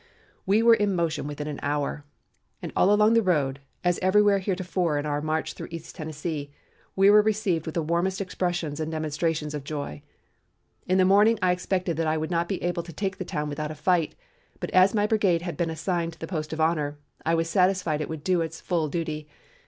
"We were in motion within an hour, and all along the road, as everywhere heretofore in our march through East Tennessee, we were received with the warmest expressions and demonstrations of joy. In the morning I expected that I would not be able to take the town without a fight, but as my brigade had been assigned the post of honor, I was satisfied it would do its full duty.